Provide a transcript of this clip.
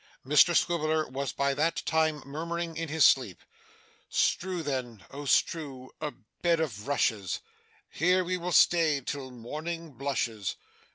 Mr Swiveller was by that time murmuring in his sleep, 'Strew then, oh strew, a bed of rushes. Here will we stay, till morning blushes.